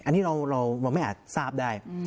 อันนี้เราไม่อาจทราบได้